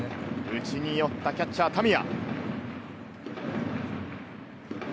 内に寄った、キャッチャー・田宮。